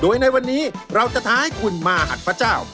โดยในวันนี้เราจะท้าให้คุณมาหัดพระเจ้า